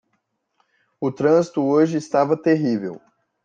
O trânsito hoje estava terrível.